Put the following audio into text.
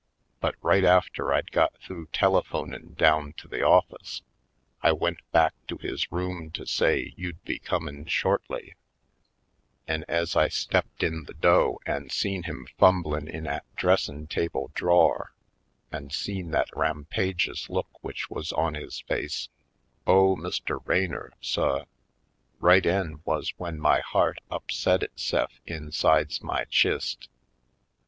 But right after I'd got th'ough telephonin' down to the office I went back to his room to say you'd be comin' shortly an' ez I stepped in 242 /. PoindexteVj Colored the do' an' seen him fumblin' in 'at dressin' table drawer an' seen the rampagious look w'ich wuz on his face — oh, Mr. Raynor, suh, right 'en wuz w'en my heart upset it se'f insides my chist!